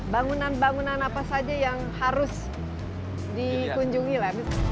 bangunan bangunan apa saja yang harus dikunjungi lah